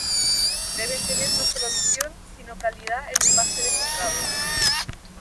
Deben tener no sólo visión, sino calidad en el pase filtrado.